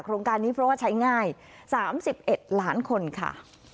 โครงการนี้เพราะว่าใช้ง่ายสามสิบเอ็ดล้านคนค่ะ